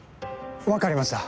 わかりました